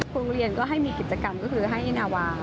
โรงเรียนก็ให้มีกิจกรรมก็คือให้นาวา